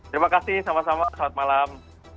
terima kasih sama sama selamat malam